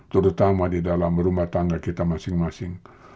terutama di dalam rumah tangga kita masing masing